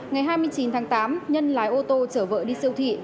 ngày hai mươi chín tháng tám nhân lái ô tô chở vợ đi siêu thị